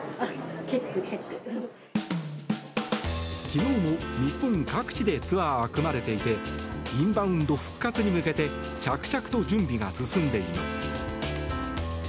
昨日も、日本各地でツアーは組まれていてインバウンド復活に向けて着々と準備が進んでいます。